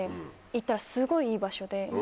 行ったらすごいいい場所で。